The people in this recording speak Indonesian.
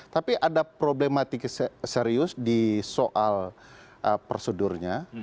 tapi ada problematik serius di soal prosedurnya